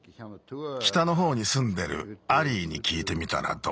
きたのほうにすんでるアリーにきいてみたらどうだ？